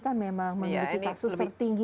kan memang memiliki kasus tertinggi